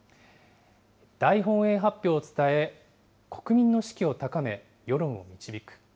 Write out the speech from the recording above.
大本営発表を伝え、国民の士気を高め、世論を導く。